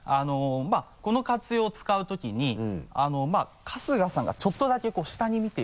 まぁこの活用を使う時に春日さんがちょっとだけ下に見ている。